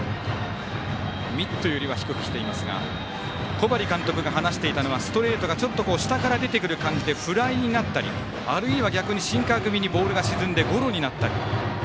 小針監督が話していたのはストレートがちょっと下から入ってくる感じでフライになったりあるいは逆にシンカー気味にボールが沈んで、ゴロになったり。